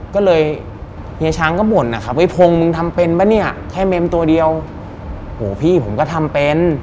ก็เลยเฮียช้างก็บ่นนะครับเฮ้ยพงมึงทำเป็นป่ะเนี่ยแค่เมมตัวเดียวโหพี่ผมก็ทำเป็น